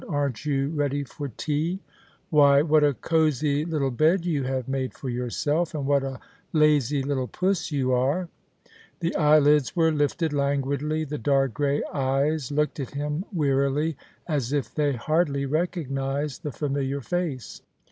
" Aren't you ready for tea ? Why, what a cosy little bed you have made for yourself, and what a lazy little puss you are !" The eyelids were lifted languidly, the dark grey eyes looked at him wearily, as if they hardly recognized the familiar face.